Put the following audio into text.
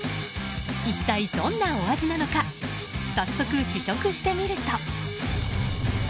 一体どんなお味なのか早速、試食してみると。